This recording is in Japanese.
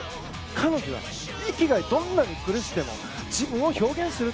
彼女は息がどんなに苦しくても自分を表現する。